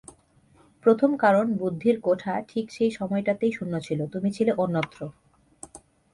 প্রথম কারণ বুদ্ধির কোঠা ঠিক সেই সময়টাতে শূন্য ছিল, তুমি ছিলে অন্যত্র।